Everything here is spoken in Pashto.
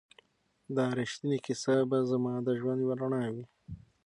دا ریښتینې کیسه به زما د ژوند یوه رڼا وي.